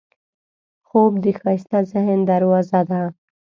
خوب د ښایسته ذهن دروازه ده